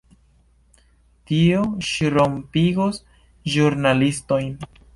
Tio ŝrumpigos ĵurnalistojn.